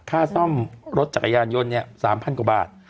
ค่าซ่อมรถจักรยานยนต์เนี่ย๓๐๐กว่าบาท